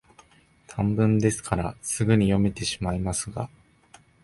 短文ですから、すぐに読めてしまいますが、